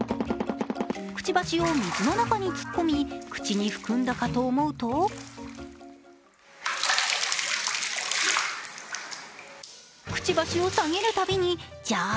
くちばしを水の中に突っ込み口に含んだかと思うとくちばしを下げるたびに、ジャー。